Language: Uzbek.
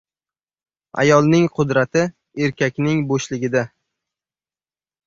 Ayolning qudrati – erkakning bo‘shligida.